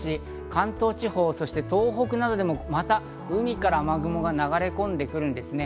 関東地方、そして東北などでも海から雨雲が流れ込んでくるんですね。